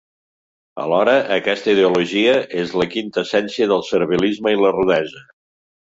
Alhora, aquesta ideologia és la quinta essència del servilisme i la rudesa.